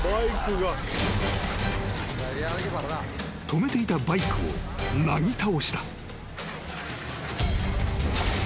［止めていたバイクをなぎ倒した］